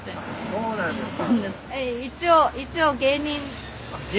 そうなんですか？